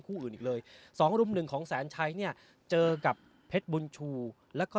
คู่อื่นอีกเลยสองรุ่มหนึ่งของแสนชัยเนี่ยเจอกับเพชรบุญชูแล้วก็